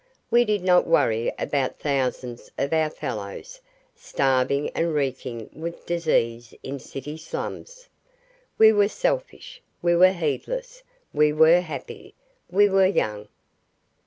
We did not worry about thousands of our fellows starving and reeking with disease in city slums. We were selfish. We were heedless. We were happy. We were young.